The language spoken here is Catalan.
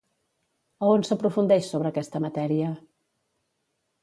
A on s'aprofundeix sobre aquesta matèria?